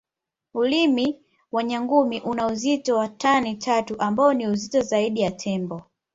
Ulimi wa nyangumi una uzito wa tani tatu ambao ni uzito zaidi wa Tembo